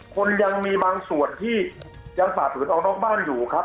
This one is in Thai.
คนยังมีบางส่วนที่ยังฝ่าฝืนออกนอกบ้านอยู่ครับ